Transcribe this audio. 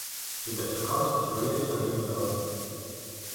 І дачакаўся сваёй чаргі будавацца.